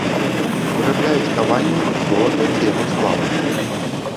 Вырабляюць каваннем з золата ці яго сплаваў.